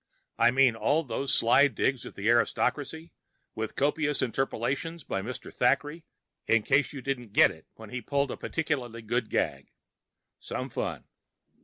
I mean, all those sly digs at the aristocracy, with copious interpolations by Mr. Thackeray in case you didn't get it when he'd pulled a particularly good gag. Some fun.